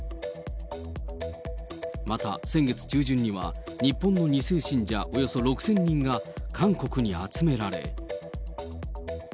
また先月中旬には、日本の２世信者およそ６０００人が韓国に集められ。